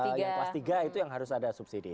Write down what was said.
klas tiga itu yang harus ada subsidi